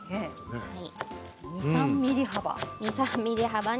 ２、３ｍｍ幅。